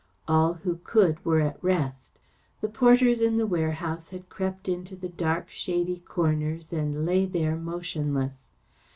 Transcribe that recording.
All who could were at rest. The porters in the warehouse had crept into the dark shady corners and lay there motionless.